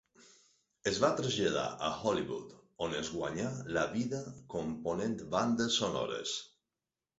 Es va traslladar a Hollywood, on es guanyà la vida component bandes sonores.